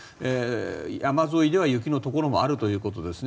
山沿いでは雪のところもあるということですね。